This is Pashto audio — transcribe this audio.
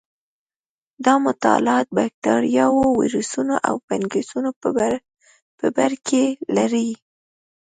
دا مطالعات بکټریاوو، ویروسونو او فنګسونو په برکې لري.